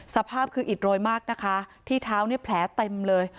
สภาพคืออิดโรยมากนะคะที่เท้าเนี่ยแผลเต็มเลย